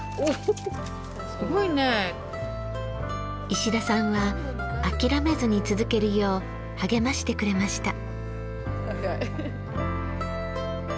石田さんは諦めずに続けるよう励ましてくれました。